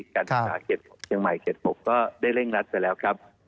การปรับปรับปรับเชียงใหม่เขต๖ก็ได้เร่งรัดไปแล้วครับ